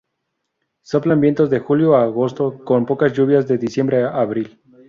Soplan vientos de julio a agosto, con pocas lluvias de diciembre a abril.